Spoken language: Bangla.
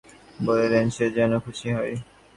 সত্যের উপরে আরও কিছু বাড়াইয়া বলিলেই সে যেন খুশি হয়।